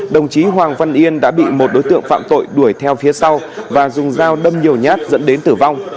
đồng chí hoàng văn yên đã bị một đối tượng phạm tội đuổi theo phía sau và dùng dao đâm nhiều nhát dẫn đến tử vong